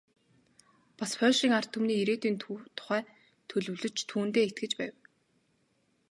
Бас польшийн ард түмний ирээдүйн тухай төлөвлөж, түүндээ итгэж байв.